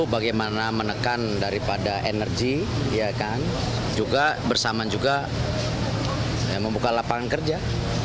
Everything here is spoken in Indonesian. bagaimana menekan daripada energi juga bersama juga membuka lapangan kerja